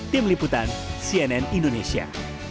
tim liputan cnn indonesia